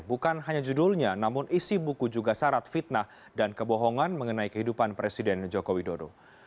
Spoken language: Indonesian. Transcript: bukan hanya judulnya namun isi buku juga syarat fitnah dan kebohongan mengenai kehidupan presiden joko widodo